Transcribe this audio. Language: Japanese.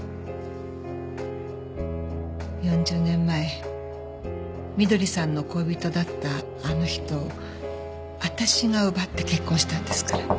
４０年前翠さんの恋人だったあの人を私が奪って結婚したんですから。